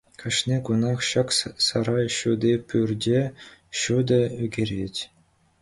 Кашни кунах ҫак сарай ҫути пӳрте ҫутӑ ӳкерет.